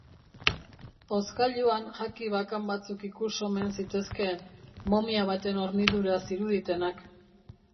Hozkailuan jaki bakan batzuk ikus omen zitezkeen, momia baten hornidura ziruditenak.